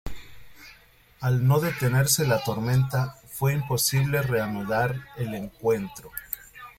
Al no detenerse la tormenta fue imposible reanudar el encuentro.